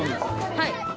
はい。